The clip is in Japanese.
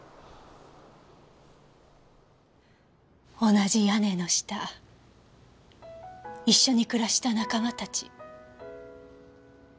同じ屋根の下一緒に暮らした仲間たち。